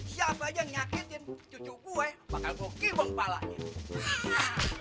siapa aja yang nyakitin cucuku bakal gue kibong palanya